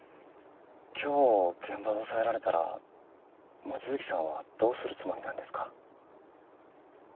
今日現場押さえられたら望月さんはどうするつもりなんですか？